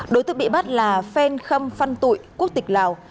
đối tượng bị bắt là phen khâm phăn tụi quốc tịch lào